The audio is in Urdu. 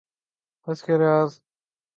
اس کے ریاضی میں اچھے نمبر آئے ہیں